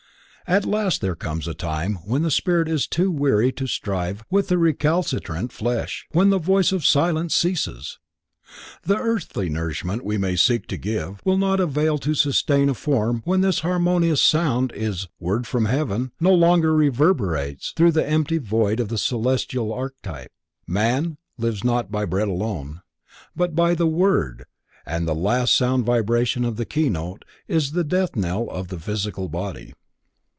At last there comes a time when the spirit is too weary to strive with the recalcitrant flesh, when "the voice of the silence" ceases. The earthly nourishment we may seek to give, will not avail to sustain a form when this harmonious sound, this "word from heaven" no longer reverberates through the empty void of the celestial archetype, for "man lives not by bread alone," but by the WORD, and the last sound vibration of the "keynote" is the death knell of the physical body.